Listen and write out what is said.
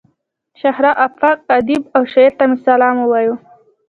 شهره آفاق ادیب او شاعر ته مې سلام ووايه.